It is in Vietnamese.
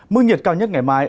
mưa nhiệt cao nhất ngày mai